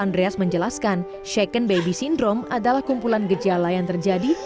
dari karya karya dia menjelaskan second baby syndrome adalah kumpulan gejala yang terjadi